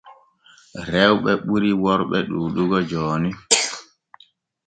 Rewɓe ɓuri worɓe ɗuuɗugo jooni.